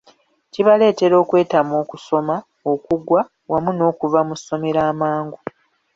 Kibaleetera okwetamwa okusoma, okugwa, wamu n’okuva mu ssomero amangu.